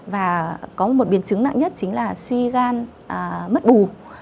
và có một biến chứng nặng nhất chính là suy gan mất bù